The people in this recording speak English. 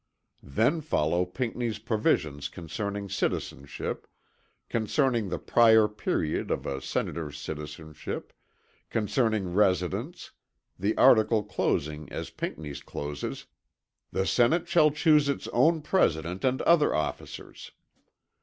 Then follow Pinckney's provisions concerning citizenship, concerning the prior period of a senator's citizenship, concerning residence, the article closing as Pinckney's closes, "The Senate shall choose its own President and other officers."